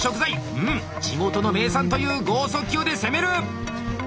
うん地元の名産という剛速球で攻める！